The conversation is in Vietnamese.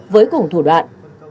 với cùng thủ đoạn